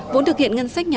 vốn thực hiện ngân sách nhảy